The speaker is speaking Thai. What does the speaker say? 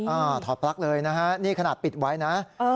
ถอดปลั๊กเลยนะฮะนี่ขนาดปิดไว้นะ